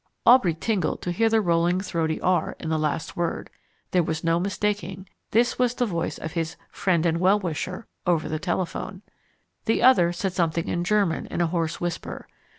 Aubrey tingled to hear the rolling, throaty "r" in the last word. There was no mistaking this was the voice of his "friend and well wisher" over the telephone. The other said something in German in a hoarse whisper.